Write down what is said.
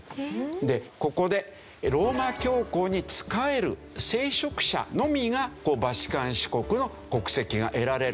でここでローマ教皇に仕える聖職者のみがバチカン市国の国籍が得られる。